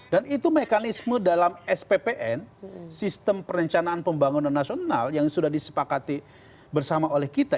dan itu mekanisme dalam sppn sistem perencanaan pembangunan nasional yang sudah disepakati bersama oleh kita